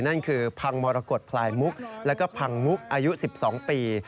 นั่นคือพังมรกฏพลายมุกแล้วก็พังมุกอายุ๑๒ปี